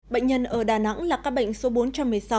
bệnh nhân ở đà nẵng là các bệnh số bốn trăm một mươi sáu